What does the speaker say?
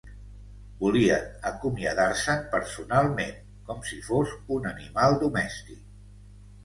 Volien acomiadarse'n personalment, com si fos un animal domèstic.